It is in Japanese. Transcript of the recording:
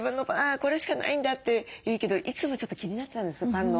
これしかないんだっていうけどいつもちょっと気になってたんですパンの。